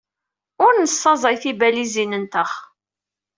Ur nessaẓay tibalizin-nteɣ.